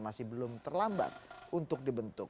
masih belum terlambat untuk dibentuk